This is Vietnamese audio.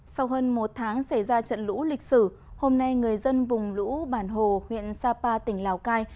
sau hơn một tháng xảy ra trận lũ lịch sử hôm nay người dân vùng lũ bản hồ huyện sapa tỉnh lào cai